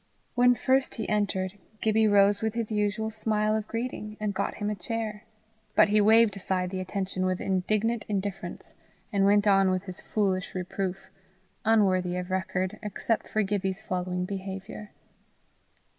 When first he entered, Gibbie rose with his usual smile of greeting, and got him a chair. But he waved aside the attention with indignant indifference, and went on with his foolish reproof unworthy of record except for Gibbie's following behaviour.